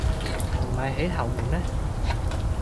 唔係喺後門咩？